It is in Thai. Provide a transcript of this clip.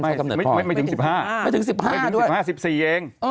ไม่ถึง๑๕ไม่ถึง๑๕ด้วยไม่ถึง๑๕ด้วยไม่ถึง๑๕๑๔เอง